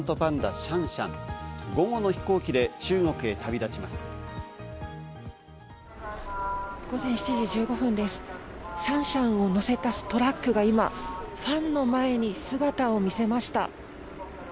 シャンシャンをのせたトラックが今ファンの前に姿を見せました。